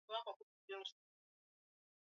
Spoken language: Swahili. ya mazingira hayo ya kukosekana kwa uteshi wa kisiasa